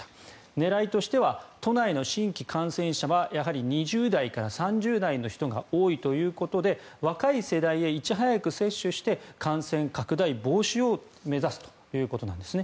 狙いとしては都内の新規感染者はやはり２０代から３０代の人が多いということで若い世代へいち早く接種して感染拡大防止を目指すということなんですね。